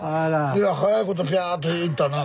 いや早いことピャーッと言いに行ったな。